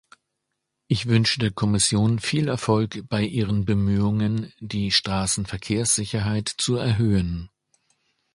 Ich wünsche der Kommission viel Erfolg bei ihren Bemühungen, die Straßenverkehrssicherheit zu erhöhen.